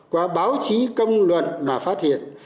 qua báo chí công luận mà phát hiện